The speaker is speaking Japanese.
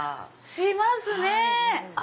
しますね！